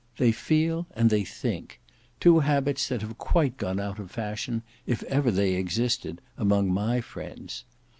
They feel and they think: two habits that have quite gone out of fashion, if ever they existed, among my friends.